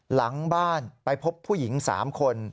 หลังบ้านไปพบผู้หญิง๓คน